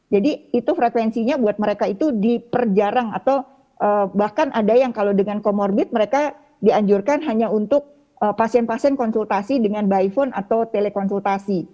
jadi itu frekuensinya buat mereka itu diperjarang atau bahkan ada yang kalau dengan comorbid mereka dianjurkan hanya untuk pasien pasien konsultasi dengan by phone atau telekonsultasi